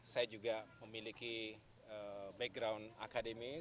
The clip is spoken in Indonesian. saya juga memiliki background akademis